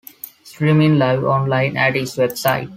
Streaming live online at its website.